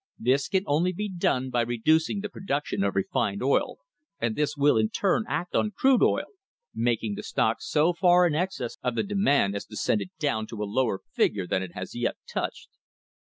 This can only be done by reducing the production of refined oil, and this will in turn act on crude oil, making the stock so far in excess of the demand as to send it down to a lower figure than it has yet touched."